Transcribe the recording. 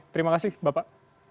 terima kasih bapak